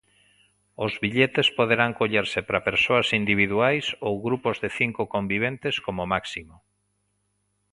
Os billetes poderán collerse para persoas individuais ou grupos de cinco conviventes como máximo.